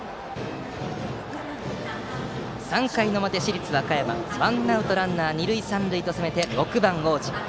３回の表、市立和歌山はワンアウトランナー、二塁三塁と攻めて６番の大路。